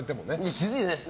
気づいていないです。